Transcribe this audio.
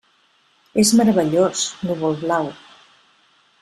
És meravellós, Núvol-Blau.